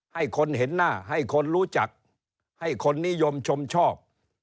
ให้คนเห็นหน้าให้คนรู้จักให้คนนิยมชมชอบ